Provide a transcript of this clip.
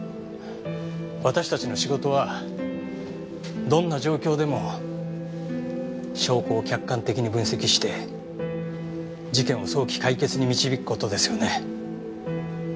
私たちの仕事はどんな状況でも証拠を客観的に分析して事件を早期解決に導く事ですよね？